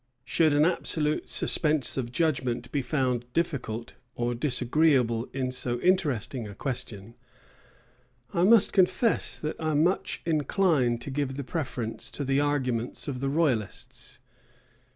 Should an absolute suspense of judgment be found difficult or disagreeable in so interesting a question, I must confess, that I much incline to give the preference to the arguments of the royalists.